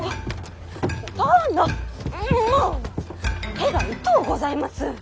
手が痛うございます！